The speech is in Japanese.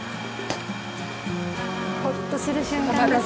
ホッとする瞬間ですね。